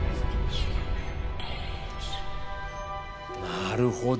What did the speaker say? なるほど。